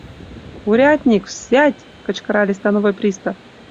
— Урядник, взять! — кычкырале становой пристав.